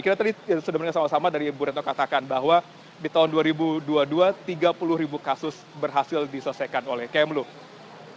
kita tadi sedemikian sama sama dari ibu retno katakan bahwa di tahun dua ribu dua puluh dua tiga puluh kasus berhasil diselesaikan oleh kementerian luar negeri